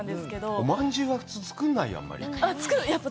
おまんじゅうは普通作らないよ、あんまり。